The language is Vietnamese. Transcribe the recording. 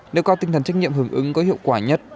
để có tinh thần trách nhiệm hưởng ứng có hiệu quả nhất